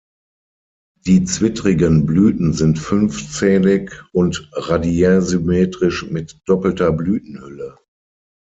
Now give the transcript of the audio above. Die zwittrigen Blüten sind fünfzählig und radiärsymmetrisch mit doppelter Blütenhülle.